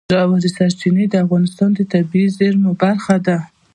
ژورې سرچینې د افغانستان د طبیعي زیرمو برخه ده.